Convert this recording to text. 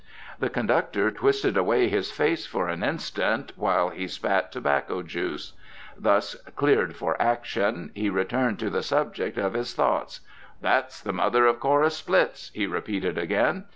The conductor twisted away his face for an instant while he spat tobacco juice. Thus cleared for action, he returned to the subject of his thoughts. "That's the mother of Cora Splitts," he repeated again.